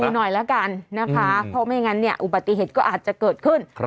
หน่อยแล้วกันนะคะเพราะไม่งั้นเนี่ยอุบัติเหตุก็อาจจะเกิดขึ้น